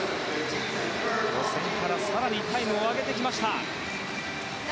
予選から更にタイムを上げてきました。